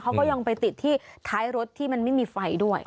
เขาก็ยังไปติดที่ท้ายรถที่มันไม่มีไฟด้วย